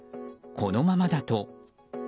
このままだと。